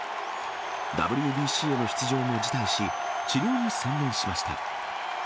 ＷＢＣへの出場も辞退し、治療に専念しました。